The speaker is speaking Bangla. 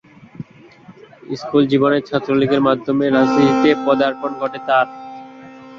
স্কুল জীবনে ছাত্রলীগের মাধ্যমে রাজনীতিতে পদার্পণ ঘটে তার।